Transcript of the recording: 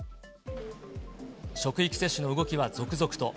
職域接種の動きは続々と。